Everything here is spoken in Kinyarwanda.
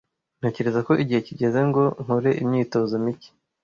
Ntekereza ko igihe kigeze ngo nkore imyitozo mike.